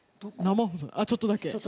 ちょっとだけ？